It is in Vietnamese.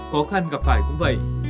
khó khăn gặp phải cũng vậy